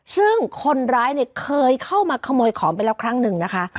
ซึ่งคนร้ายเนี่ยเคยเข้ามาขโมยของไปแล้วครั้งหนึ่งนะคะ